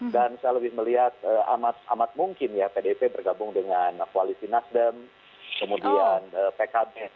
dan saya lebih melihat amat mungkin ya pdip bergabung dengan koalisi nasdem kemudian pkb dan k tiga